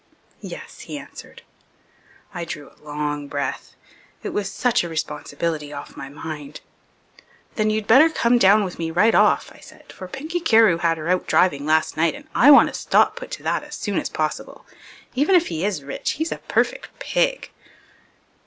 "Yes," he answered. I drew a long breath. It was such a responsibility off my mind. "Then you'd better come down with me right off," I said, "for Pinky Carewe had her out driving last night and I want a stop put to that as soon as possible. Even if he is rich he's a perfect pig."